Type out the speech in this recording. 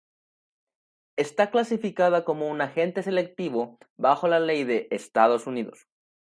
Está clasificada como un "agente selectivo" bajo la ley de Estados Unidos.